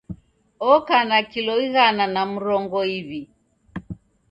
Oka na kilo ighana na murongo iw'i